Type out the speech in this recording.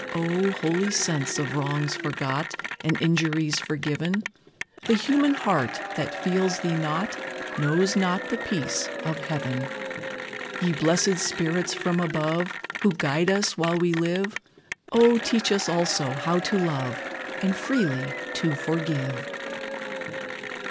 O, holy sense of wrongs forgot, And injuries forgiven! The human heart that feels thee not, Knows not the peace of Heaven. Ye blesséd spirits from above, Who guide us while we live, O, teach us also how to love, And freely to forgive.